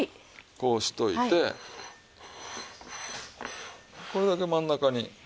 こうしておいてこれだけ真ん中に。